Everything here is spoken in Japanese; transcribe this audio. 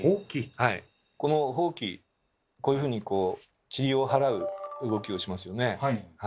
このほうきこういうふうにちりを払う動きをしますよね。